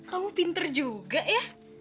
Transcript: kamu pinter juga ya